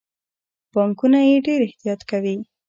بانکونه یې ډیر احتیاط کوي.